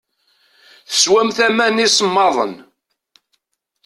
Teswamt aman isemmaḍen.